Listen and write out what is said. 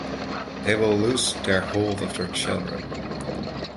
They will lose their hold of their children.